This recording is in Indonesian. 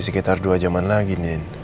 sekitar dua jam an lagi din